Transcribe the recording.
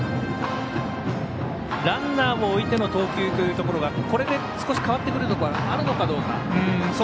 ランナーを置いての投球というところがこれで少し変わってくるところがあるのかどうか。